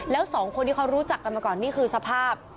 แล้วสองคนที่เขารู้จักกันมาก่อนนี่คือสภาพ